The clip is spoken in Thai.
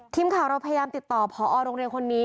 ทีมข่าวเราพยายามติดต่อพอโรงเรียนคนนี้